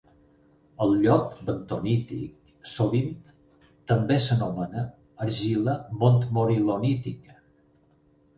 El llot bentonític sovint també s'anomena argila montmorilonítica.